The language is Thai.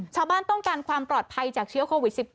ชาวบ้านต้องการความปลอดภัยจากเชื้อโควิด๑๙